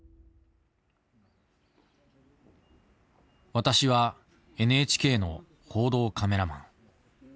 私はＮＨＫの報道カメラマン。